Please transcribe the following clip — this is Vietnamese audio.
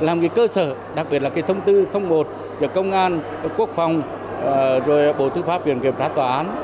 là một cái cơ sở đặc biệt là cái thông tư một cho công an quốc phòng rồi bộ thư pháp viện kiểm tra tòa án